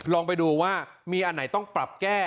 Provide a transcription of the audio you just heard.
ลองไปดูว่ามีอันไหนต้องปรับแก้